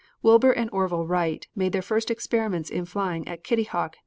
Wilbur and Orville Wright made their first experiments in flying at Kittyhawk, N.